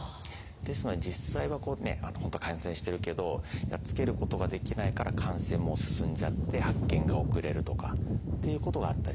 ですので実際はこう本当は感染してるけどやっつけることができないから感染も進んじゃって発見が遅れるとかっていうことがあったりします。